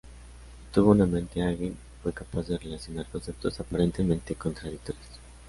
Tuvo una mente ágil, fue capaz de relacionar conceptos aparentemente contradictorios.